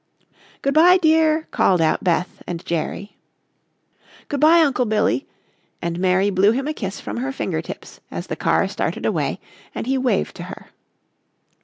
"Good bye, dear," called out Beth and Jerry. "Good bye, Uncle Billy," and Mary blew him a kiss from her fingertips as the car started away and he waved to her.